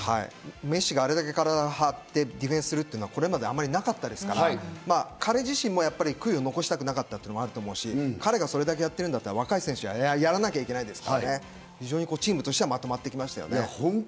メッシがあれだけ体を張ってディフェンスをするっていうのはこれまでなかったですから、彼自身も悔いを残したくなかったっていうところもあると思うし、彼がそれだけやってるんだったら、若い選手もやらくてはいけないですから、チームとしてはまとまってきましたよね。